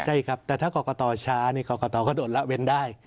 ใช่ครับแต่ถ้ากรกตช้านี่กรกตก็โดดละเว้นได้